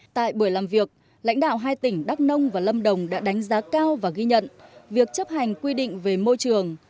tại buổi làm việc lãnh đạo hai tỉnh đắk nông và lâm đồng đã đánh giá cao và ghi nhận việc chấp hành quy định về môi trường